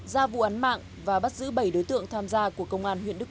ra vụ án mạng và bắt giữ bảy đối tượng tham gia cuộc công